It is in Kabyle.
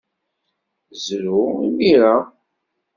Zrew imir-a.